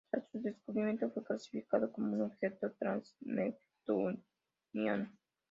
Tras su descubrimiento, fue clasificado como un objeto transneptuniano.